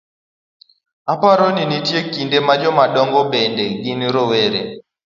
Aparo ni nitie kinde ma jodongo bende ne gin rowere